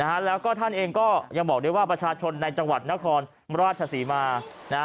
นะฮะแล้วก็ท่านเองก็ยังบอกด้วยว่าประชาชนในจังหวัดนครราชศรีมานะฮะ